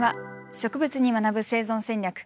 「植物に学ぶ生存戦略」。